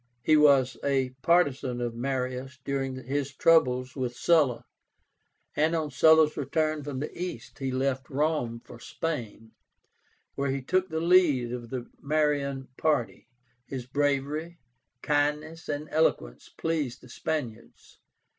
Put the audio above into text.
He was a partisan of Marius during his troubles with Sulla, and on Sulla's return from the East he left Rome for Spain, where he took the lead of the Marian party. His bravery, kindness, and eloquence pleased the Spaniards.